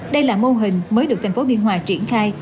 đây là mô hình mới được thành phố biên hòa triển khai